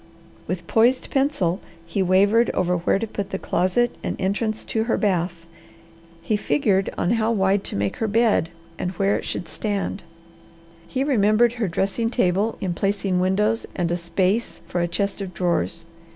With poised pencil he wavered over where to put the closet and entrance to her bath. He figured on how wide to make her bed and where it should stand. He remembered her dressing table in placing windows and a space for a chest of drawers.